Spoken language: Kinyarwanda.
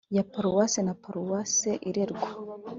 Ya paruwase na paruwase irerwa